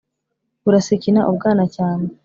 Burasikina u Bwanacyambwe.